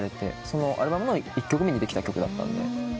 そのアルバムの１曲目にできた曲だったんで。